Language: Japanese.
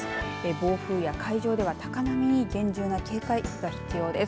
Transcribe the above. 暴風や海上では高波に厳重な警戒が必要です。